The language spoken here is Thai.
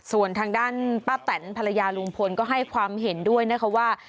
ส่วนทางด้านป้าแตนภรรยาลุงพลก็ให้ความเห็นด้วยนะคะว่า